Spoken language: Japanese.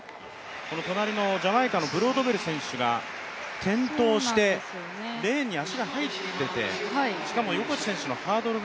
隣のジャマイカのブロードベル選手が転倒してレーンに足が入っていて、しかも横地選手のハードルが。